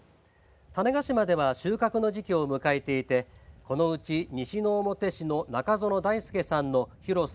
種子島では収穫の時期を迎えていてこのうち西之表市の中園大輔さんの広さ